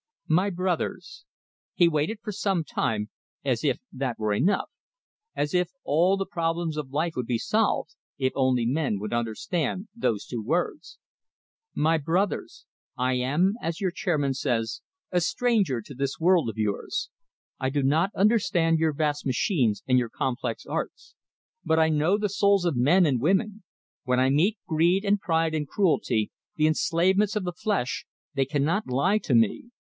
"My brothers!" He waited for some time, as if that were enough; as if all the problems of life would be solved, if only men would understand those two words. "My brothers: I am, as your chairman says, a stranger to this world of yours. I do not understand your vast machines and your complex arts. But I know the souls of men and women; when I meet greed, and pride, and cruelty, the enslavements of the flesh, they cannot lie to me.